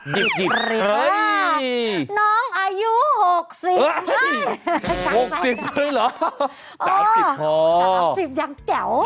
สิพูดถิดร้ายดีจ้าว